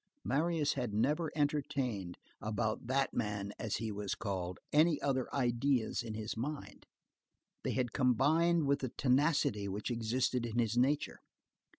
Marius had never entertained—about that man, as he was called—any other ideas in his mind. They had combined with the tenacity which existed in his nature.